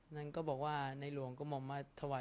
สงฆาตเจริญสงฆาตเจริญ